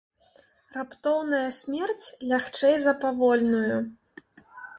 Раптоўная смерць лягчэй за павольную.